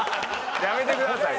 やめてください。